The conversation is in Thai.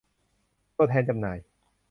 ตัวแทนจำหน่าย